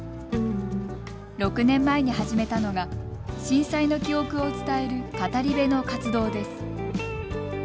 ６年前に始めたのが震災の記憶を伝える語り部の活動です。